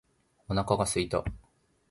お腹が空いた